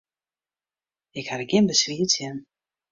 Ik ha der gjin beswier tsjin.